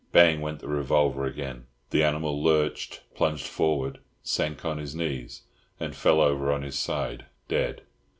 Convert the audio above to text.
Bang went the revolver again; the animal lurched, plunged forward, sank on his knees, and fell over on his side, dead.